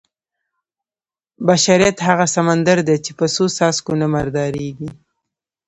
بشریت هغه سمندر دی چې په څو څاڅکو نه مردارېږي.